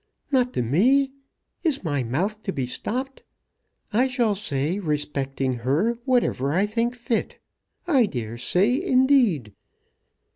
"Not to me? Is my mouth to be stopped? I shall say respecting her whatever I think fit. I dare say, indeed!"